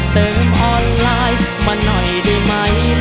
เติมออนไลน์มาหน่อยได้ไหม